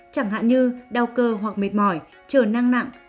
chẳng hạn như đau cơ hoặc mệt mỏi chờ năng nặng